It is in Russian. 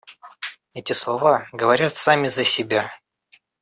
Эти слова говорят сами за себя.